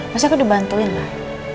masa aku dibantuin lah